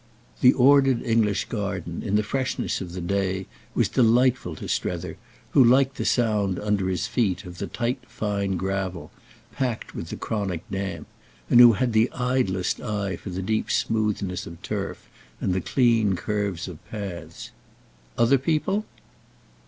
The ordered English garden, in the freshness of the day, was delightful to Strether, who liked the sound, under his feet, of the tight fine gravel, packed with the chronic damp, and who had the idlest eye for the deep smoothness of turf and the clean curves of paths. "Other people?"